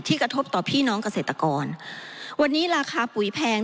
กระทบต่อพี่น้องเกษตรกรวันนี้ราคาปุ๋ยแพง